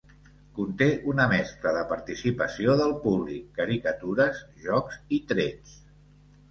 Conté una mescla de participació del públic, caricatures, jocs i trets.